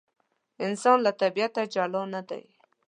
انسان له طبیعته جلا نه دی.